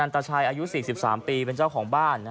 ตาชัยอายุ๔๓ปีเป็นเจ้าของบ้าน